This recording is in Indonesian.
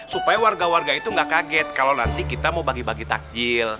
supaya warga warga itu nggak kaget kalau nanti kita mau bagi bagi takjil